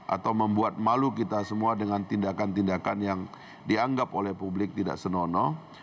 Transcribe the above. atau membuat malu kita semua dengan tindakan tindakan yang dianggap oleh publik tidak senonoh